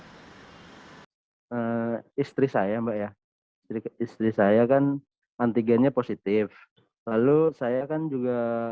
edges terima kasih istri saya mbak ya jadi istri saya kan anti gan nya positif lalu saya akan juga